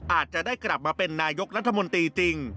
อาจจะได้กลับมาเป็นนายกรัฐมนตรีจริง